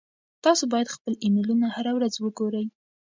تاسو باید خپل ایمیلونه هره ورځ وګورئ.